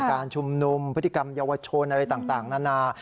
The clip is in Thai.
การชุมนุมพฤติกรรมเยาวชนอะไรต่างนานา